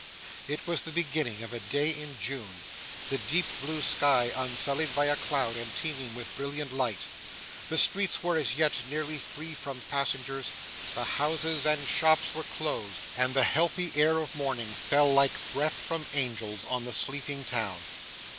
It was the beginning of a day in June; the deep blue sky unsullied by a cloud, and teeming with brilliant light. The streets were, as yet, nearly free from passengers, the houses and shops were closed, and the healthy air of morning fell like breath from angels, on the sleeping town.